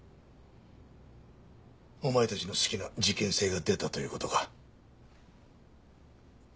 お前たちの好きな事件性が出たという事か。